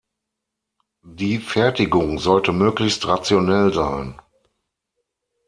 Die Fertigung sollte möglichst rationell sein.